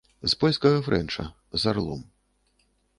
З польскага фрэнча, з арлом.